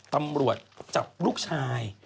ตำรวจจับลูกชาย